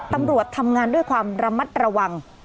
ตำรวจทำงานด้วยความระมัดระวัง